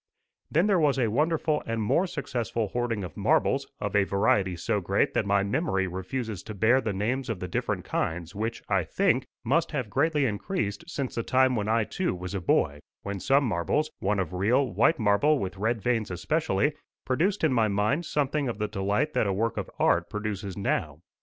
Then there was a wonderful and more successful hoarding of marbles, of a variety so great that my memory refuses to bear the names of the different kinds, which, I think, must have greatly increased since the time when I too was a boy, when some marbles one of real, white marble with red veins especially produced in my mind something of the delight that a work of art produces now.